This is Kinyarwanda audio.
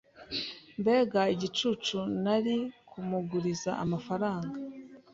Mbega igicucu nari kumuguriza amafaranga.